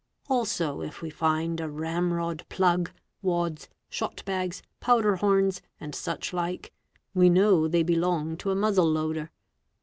' 'Also if we find a ramrod plug, wads, shot bags, powder horns, and such like, we know they belong to a muzzle loader.